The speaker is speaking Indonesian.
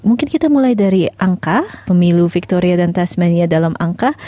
mungkin kita mulai dari angka pemilu victoria dan testmania dalam angka